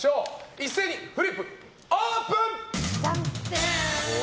一斉にフリップ、オープン。